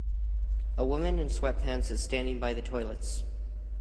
A woman in sweatpants is standing by the toilets